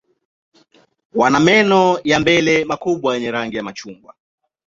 Wana meno ya mbele makubwa yenye rangi ya machungwa.